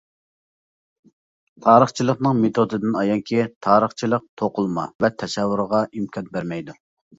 تارىخچىلىقنىڭ مېتودىدىن ئايانكى، تارىخچىلىق توقۇلما ۋە تەسەۋۋۇرغا ئىمكان بەرمەيدۇ.